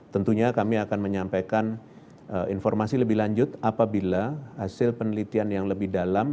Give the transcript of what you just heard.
tentunya kami akan menyampaikan informasi lebih lanjut apabila hasil penelitian yang lebih dalam